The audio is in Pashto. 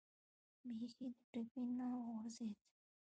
بیخي د ټپې نه و غورځېد.